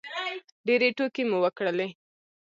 ډېرې ټوکې مو وکړلې.